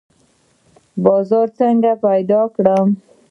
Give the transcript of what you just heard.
بازار څنګه پیدا کړو؟